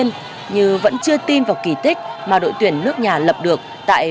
những hình ảnh này